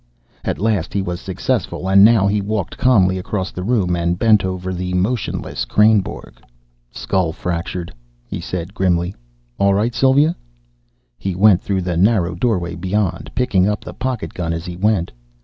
At last he was successful, and now he walked calmly across the room and bent over the motionless Kreynborg. "Skull fractured," he said grimly. "All right, Sylva." He went through the narrow doorway beyond, picking up the pocket gun as he went.